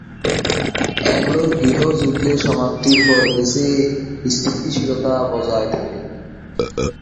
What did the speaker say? অ্যাঙ্গোলার গৃহযুদ্ধের সমাপ্তির পর থেকে দেশে স্থিতিশীলতা বজায় থাকে।